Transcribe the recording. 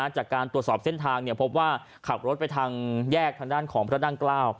จากการตรวจสอบเส้นทางพบว่าขับรถไปทางแยกทางด้านของพระนั่งเกล้า